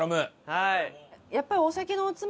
はい。